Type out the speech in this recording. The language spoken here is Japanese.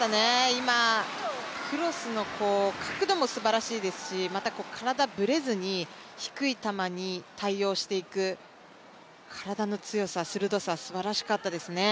今、クロスの角度もすばらしいですしまた体がぶれずに低い球に対応していく体の強さ、鋭さすばらしかったですね。